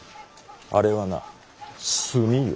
あれはな炭よ。